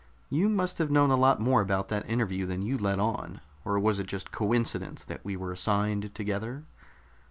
"You must have known a lot more about that interview than you let on. Or, was it just coincidence that we were assigned together?"